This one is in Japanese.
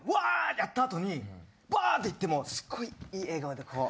やった後にバーッて行ってもうすごいいい笑顔でこう。